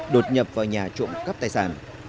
đột nhập vào nhà trộm cắp tài sản